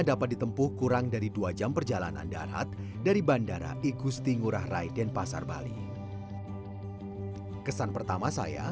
sampai jumpa di video selanjutnya